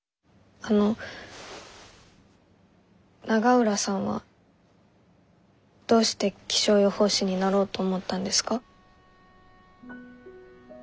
あの永浦さんはどうして気象予報士になろうと思ったんですか？